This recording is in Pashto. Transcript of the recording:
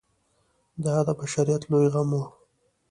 دا د بشریت لوی غم و.